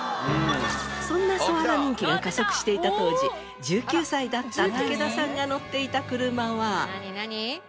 そんなソアラ人気が加速していた当時１９歳だった武田さんが乗っていた車は。